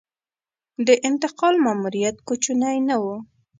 د انتقال ماموریت کوچنی نه و.